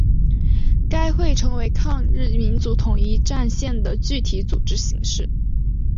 该会成为抗日民族统一战线的具体组织形式。